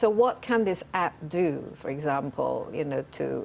bagaimana aplikasi ini bisa misalnya untuk